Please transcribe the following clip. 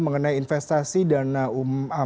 mengenai investasi dana umum